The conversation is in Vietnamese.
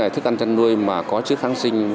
thức ăn trăn nuôi mà có chứa kháng sinh